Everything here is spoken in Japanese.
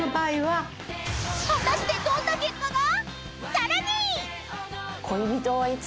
［さらに］